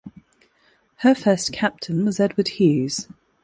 Her first Captain was Edward Hughes.